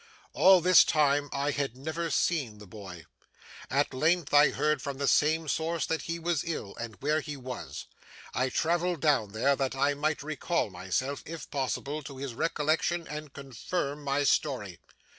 All this time I had never seen the boy. At length, I heard from this same source that he was very ill, and where he was. I travelled down there, that I might recall myself, if possible, to his recollection and confirm my story.